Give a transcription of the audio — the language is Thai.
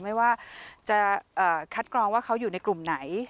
ไม่ว่าจะคัดกรองว่าเขาอยู่ในกลุ่มไหน